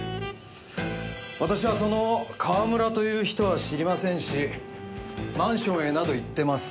私はその川村という人は知りませんしマンションへなど行ってません。